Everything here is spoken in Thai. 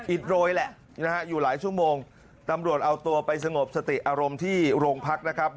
อิดโรยแหละนะฮะอยู่หลายชั่วโมงตำรวจเอาตัวไปสงบสติอารมณ์ที่โรงพักนะครับ